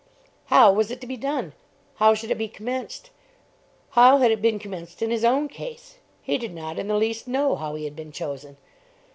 How was it to be done? How should it be commenced? How had it been commenced in his own case? He did not in the least know how he had been chosen.